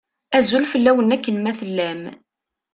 Azul fell-awen akken ma tellam.